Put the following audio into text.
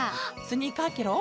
スニーカーケロ？